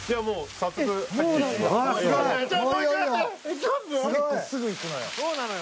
「結構すぐ行くのよ」